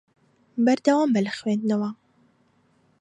بەردەوام بە لە خوێندنەوە.